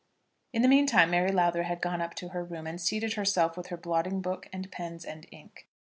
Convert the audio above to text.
In the meantime Mary Lowther had gone up to her room, and seated herself with her blotting book and pens and ink.